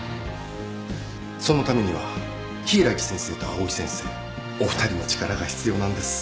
そのためには柊木先生と藍井先生お二人の力が必要なんです。